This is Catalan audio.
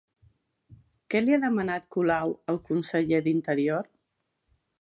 Què li ha demanat Colau al conseller d'Interior?